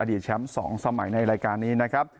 แชมป์๒สมัยในรายการนี้นะครับ